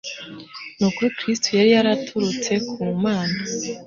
Ni ukuri Kristo yari yaraturutse ku Mana,